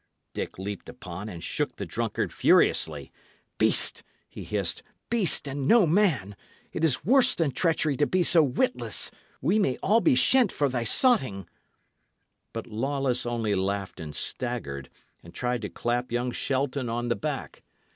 Dick leaped upon and shook the drunkard furiously. "Beast!" he hissed "beast and no man! It is worse than treachery to be so witless. We may all be shent for thy sotting." But Lawless only laughed and staggered, and tried to clap young Shelton on the back.